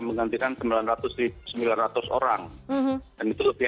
menggantikan sembilan ratus sembilan ratus orang dan itu lebih